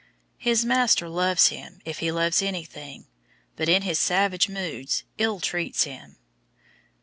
His master loves him if he loves anything, but in his savage moods ill treats him.